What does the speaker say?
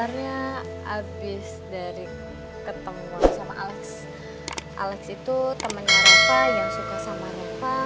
sebenarnya abis dari ketemu sama alex itu temennya rafa yang suka sama ropa